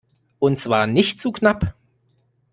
Und zwar nicht zu knapp!